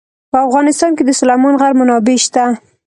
په افغانستان کې د سلیمان غر منابع شته.